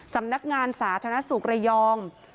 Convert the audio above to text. สำนักงานสาธารณสุขระยอง